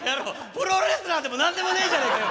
プロレスラーでも何でもねえじゃねえかよ